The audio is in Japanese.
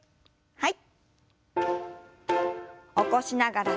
はい。